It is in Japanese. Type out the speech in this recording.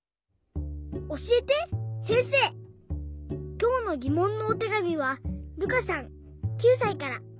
きょうのぎもんのおてがみはるかさん９さいから。